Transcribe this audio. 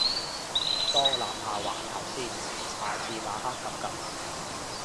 當立下環頭先，下次晚黑 𥄫𥄫